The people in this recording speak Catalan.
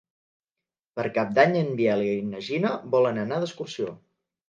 Per Cap d'Any en Biel i na Gina volen anar d'excursió.